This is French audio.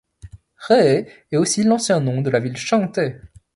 Rehe est aussi l'ancien nom de la ville de Chengde.